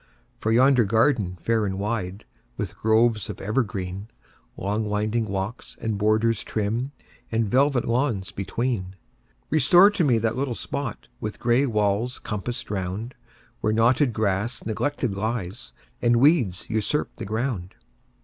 For yonder garden, fair and wide, With groves of evergreen, Long winding walks, and borders trim, And velvet lawns between; Restore to me that little spot, With gray walls compassed round, Where knotted grass neglected lies, And weeds usurp the ground.